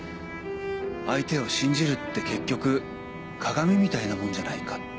相手を信じるって結局鏡みたいなもんじゃないかって。